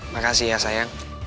makasih ya sayang